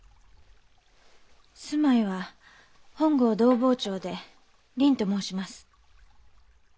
住まいは本郷同朋町で倫と申します。